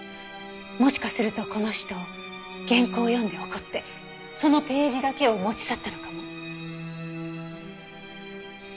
もしかするとこの人原稿を読んで怒ってそのページだけを持ち去ったのかも。